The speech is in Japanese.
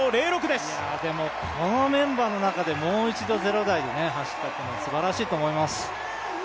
でもこのめんばーの中でもう一度０台で走ったのはすばらしいと思います。